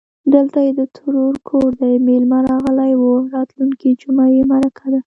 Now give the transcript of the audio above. _دلته يې د ترور کور دی، مېلمه راغلی و. راتلونکې جومه يې مرکه ده.